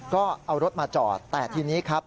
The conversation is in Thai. ก็เอารถมาจอดแต่ทีนี้ครับ